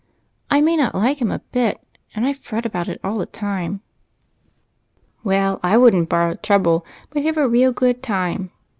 I may not like him a bit, and I fret about it all the time." " Well, I would n't borrow trouble, but have a real good time.